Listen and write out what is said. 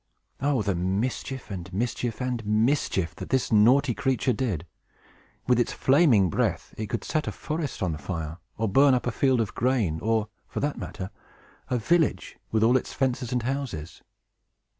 Oh, the mischief, and mischief, and mischief that this naughty creature did! With its flaming breath, it could set a forest on fire, or burn up a field of grain, or, for that matter, a village, with all its fences and houses.